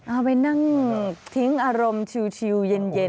เอาไปนั่งทิ้งอารมณ์ชิวเย็น